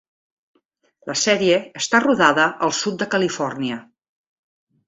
La sèrie està rodada al sud de Califòrnia.